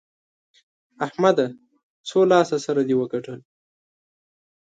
احمده! څو لاس سره دې وګټل؟